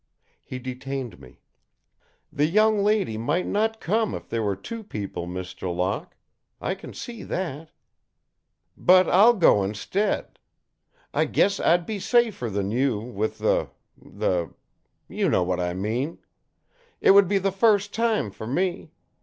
He detained me. "The young lady might not come if there were two people, Mr. Locke. I can see that! But I'll go instead. I guess I'd be safer than you, with the the You know what I mean! It would be the first time for me.